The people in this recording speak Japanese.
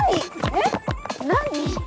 えっ何？